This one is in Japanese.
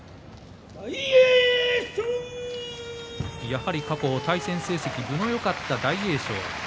やはり過去対戦成績、分のよかった大栄翔